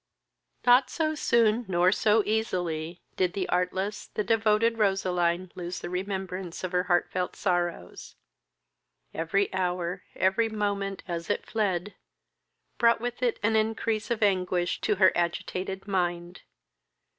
Not so soon, nor so easily, did the artless, the devoted Roseline lose the remembrance of her heart felt sorrows. Every hour, every moment, as it fled, brought with it an increase of anguish to her agitated mind.